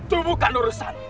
itu bukan urusan